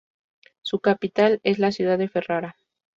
Su capital es la ciudad de Ferrara.